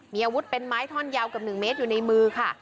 มีอาวุธเป็นไม้ท่อนยาวกับ๑เมตรอยู่ในมือค่ะ